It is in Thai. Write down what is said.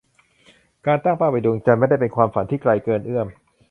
การตั้งเป้าไปดวงจันทร์ ไม่ได้เป็นความฝันที่ไกลเกินเอื้อม